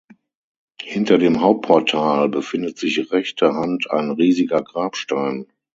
Hinter dem Hauptportal befindet sich rechter Hand ein riesiger Grabstein.